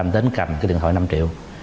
đến cầm cái điện thoại năm triệu